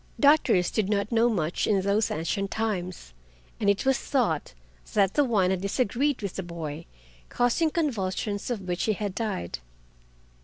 Doctors did not know much in those ancient times, and it was thought that the wine had disagreed with the boy, causing convulsions of which he died.